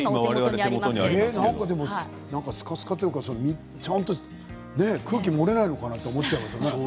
何かすかすかというかちゃんと空気漏れないのかなと思っちゃいますよね。